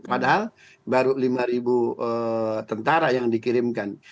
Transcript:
padahal baru lima ribu tentara yang dikirimkan